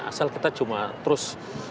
asal kita cuma terus